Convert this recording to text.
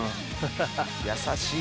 優しい。